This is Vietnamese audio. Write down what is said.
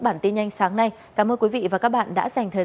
bản tin nhanh sáng nay cảm ơn quý vị và các bạn đã dành thời gian theo dõi